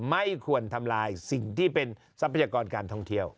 ไม่ควรทำลายสิ่งที่เป็นทรัพยากรการท่องเที่ยว